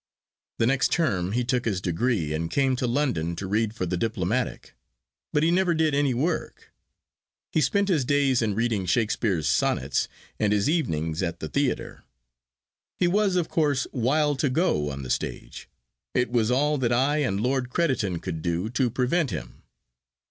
The next term he took his degree, and came to London to read for the diplomatic. But he never did any work. He spent his days in reading Shakespeare's Sonnets, and his evenings at the theatre. He was, of course, wild to go on the stage. It was all that I and Lord Crediton could do to prevent him.